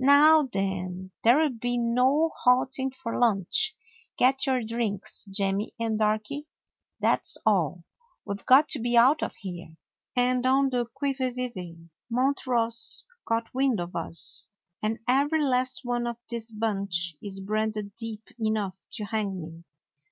"Now then, there 'll be no halting for lunch. Get your drinks, Jemmy and Darky, that 's all. We 've got to be out of here, and on the quivy vivy. Montross 's got wind of us, and every last one of this bunch is branded deep enough to hang me.